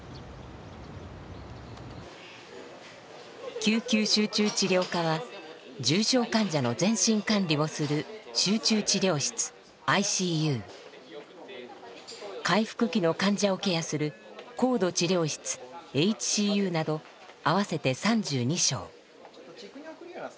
救急集中治療科は重症患者の全身管理をする「集中治療室ＩＣＵ」回復期の患者をケアする「高度治療室ＨＣＵ」など合わせて３２床。